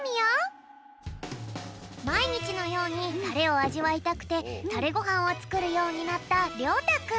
まいにちのようにタレをあじわいたくてタレごはんをつくるようになったりょうたくん。